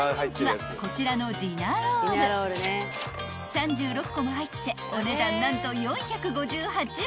［３６個も入ってお値段何と４５８円］